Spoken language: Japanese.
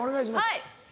はい。